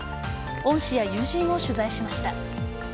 恩師や友人を取材しました。